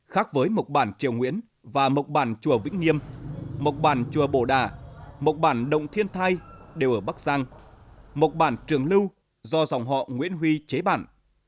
khác với mộc bản triều nguyễn và mộc bản chùa vĩnh nghiêm mộc bản chùa bồ đà mộc bản động thiên thai đều ở bắc giang mộc bản trường lưu do dòng họ nguyễn huy chế bản